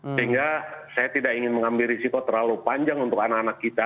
sehingga saya tidak ingin mengambil risiko terlalu panjang untuk anak anak kita